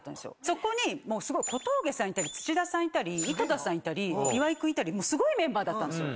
そこに小峠さんいたり土田さんいたり井戸田さんいたり岩井君いたりすごいメンバーだったんですよ。